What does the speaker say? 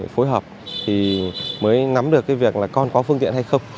phối hợp thì mới nắm được cái việc là con có phương tiện hay không